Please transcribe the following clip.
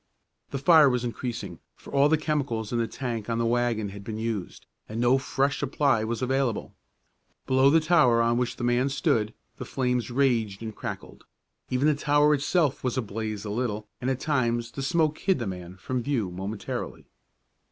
The fire was increasing, for all the chemicals in the tank on the wagon had been used, and no fresh supply was available. Below the tower on which the man stood, the flames raged and crackled. Even the tower itself was ablaze a little and at times the smoke hid the man from view momentarily.